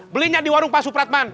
belinya di warung pak supratman